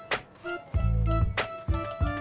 shhh diam dulu